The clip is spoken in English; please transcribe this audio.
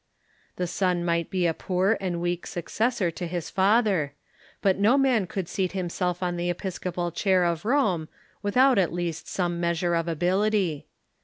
Tlie son might be a poor and weak successor to his father ; but no man could seat himself on the episcopal chair of Rome without at least some measure of ability.